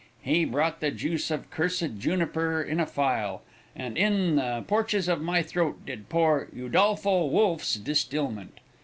He brought the juice of cursed juniper in a phial, and in the porches of my throat did pour Udolpho Wolfe's distilment.